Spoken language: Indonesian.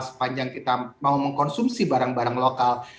sepanjang kita mau mengkonsumsi barang barang lokal